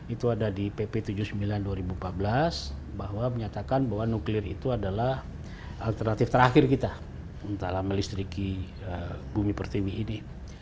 itu ada di pp tujuh puluh sembilan dua ribu empat belas bahwa menyatakan bahwa nuklir itu adalah alternatif terakhir kita dalam melistriki bumi pertiwi ini